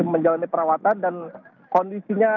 menjalani perawatan dan kondisinya